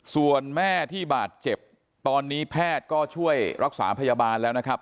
ส่วนแม่ที่บาดเจ็บตอนนี้แพทย์ก็ช่วยรักษาพยาบาลแล้วนะครับ